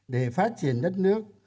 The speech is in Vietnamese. để phát triển đất nước